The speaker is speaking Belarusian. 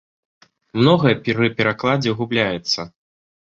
Многае пры перакладзе губляецца.